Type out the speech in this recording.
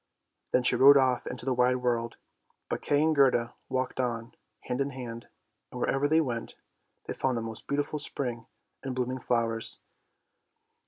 Then she rode off into the wide world. But Kay and Gerda walked on, hand in hand, and wherever they went, they found the most delightful spring and blooming flowers.